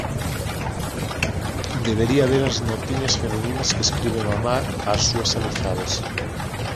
Debería ver as notiñas femininas que escribe mamá ás súas amizades.